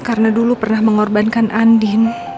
karena dulu pernah mengorbankan andin